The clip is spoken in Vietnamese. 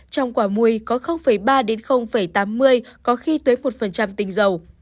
trong quả mùi có ba tám mươi có khi tới một tinh dầu